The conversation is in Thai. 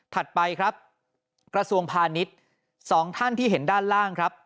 ไปครับกระทรวงพาณิชย์สองท่านที่เห็นด้านล่างครับ